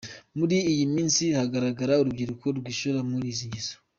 Muri iyi minsi haragaragara urubyiruko rwishora muri izi ngeso.